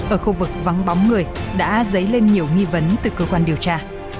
ở khu vực vắng bóng người đã dấy lên nhiều nghi vấn từ cơ quan điều tra